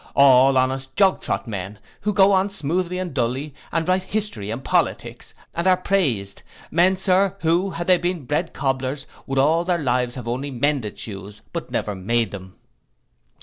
All honest joggtrot men, who go on smoothly and dully, and write history and politics, and are praised; men, Sir, who, had they been bred coblers, would all their lives have only mended shoes, but never made them.